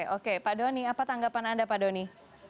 oke pak doni apa tanggapan anda pak doni